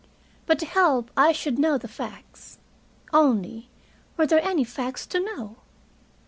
But to help I should know the facts. Only, were there any facts to know?